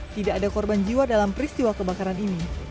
tidak ada korban jiwa dalam peristiwa kebakaran ini